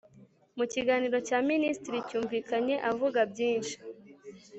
mu kiganiro cya minisitiri cyumvikanye avuga byinshi